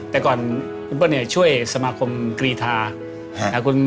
แต่ก่อนคุณเปิ้ลช่วยสมาคมกริเทศาสตร์